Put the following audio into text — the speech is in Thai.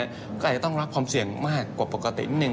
ก็อาจจะต้องรับความเสี่ยงมากกว่าปกตินิดนึง